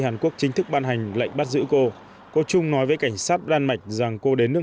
hàn quốc chính thức ban hành lệnh bắt giữ cô có chung nói với cảnh sát đan mạch rằng cô đến nước